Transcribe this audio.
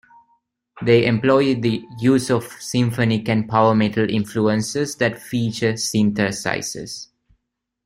They employ the use of symphonic and power metal influences that feature synthesizers.